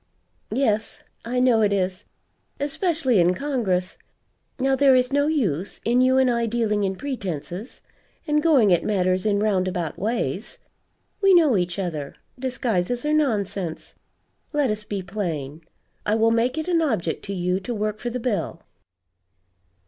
"Yes, I know it is especially in Congress. Now there is no use in you and I dealing in pretenses and going at matters in round about ways. We know each other disguises are nonsense. Let us be plain. I will make it an object to you to work for the bill."